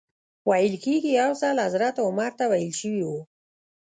ویل کېږي یو ځل حضرت عمر ته ویل شوي و.